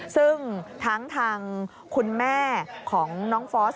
ซึ่งทั้งทางคุณแม่ของน้องฟอส